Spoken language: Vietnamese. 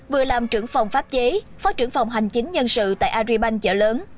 vừa làm trưởng phòng pháp chế phó trưởng phòng hành chính nhân sự tại aribank chợ lớn